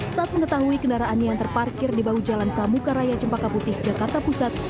saat mengetahui kendaraannya yang terparkir di bahu jalan pramuka raya cempaka putih jakarta pusat